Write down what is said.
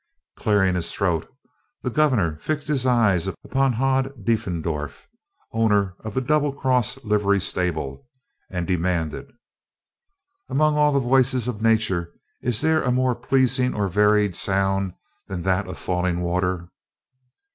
Clearing his throat, the Gov'nor fixed his eyes upon "Hod" Deefendorf, owner of the Double Cross Livery Stable, and demanded: "Among all the voices of Nature is there a more pleasing or varied sound than that of falling water?"